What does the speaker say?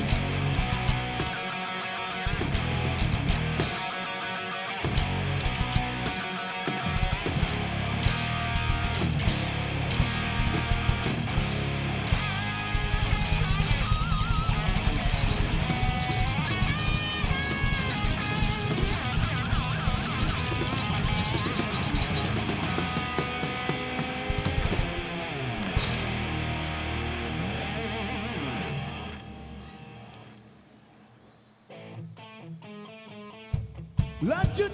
ulang raga ku melayang